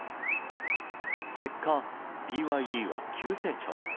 結果、ＢＹＤは急成長。